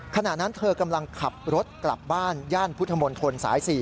ขณะนั้นเธอกำลังขับรถกลับบ้านย่านพุทธมนตรสาย๔